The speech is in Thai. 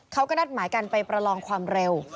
เขาก็นัดหมายกันไปประลองความเร็ว